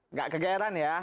nggak ke gr an ya